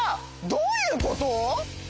どういうこと！？